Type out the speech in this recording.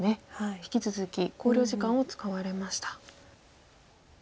引き続き考慮時間を使われました。